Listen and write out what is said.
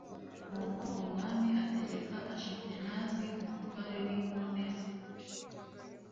Nuko umwami ategeka Ashipenazi umutware w’inkone ze